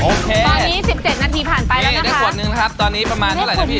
โอเคตอนนี้๑๗นาทีผ่านไปแล้วนะคะนี่ได้ขวดหนึ่งครับตอนนี้ประมาณเท่าไหร่นะพี่